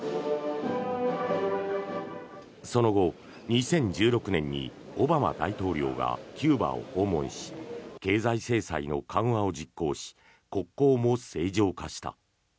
その後、２０１６年にオバマ大統領がキューバを訪問し経済制裁の緩和を実行し国交も正常化した。